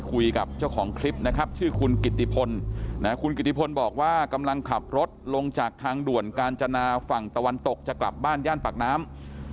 คุยกับเจ้าของคลิปนะครับชื่อคุณกิติพลคุณกิติพลบอกว่ากำลังขับรถลงจากทางด่วนกาญจนาฝั่งตะวันตกจะกลับบ้านย่านปากน้ำ